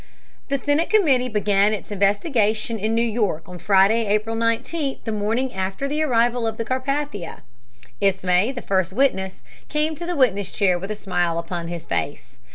The Senate Committee began its investigation in New York on Friday, April 19th, the morning after the arrival of the Carpathia. Ismay, the first witness, came to the witness chair with a smile upon his face.